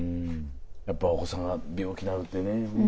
やっぱお子さんが病気になるってね